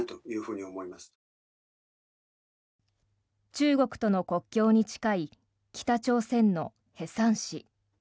中国との国境に近い北朝鮮の恵山市。